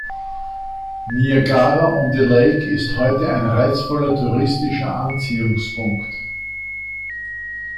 Niagara-on-the-Lake ist heute ein reizvoller touristischer Anziehungspunkt.